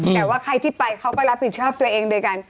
แต่ว่าใครที่ไปเขาก็รับผิดชอบตัวเองโดยกัน